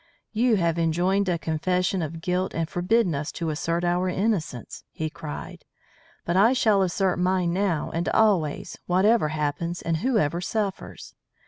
"You have enjoined a confession of guilt and forbidden us to assert our innocence," he cried. "But I shall assert mine now and always, whatever happens and whoever suffers.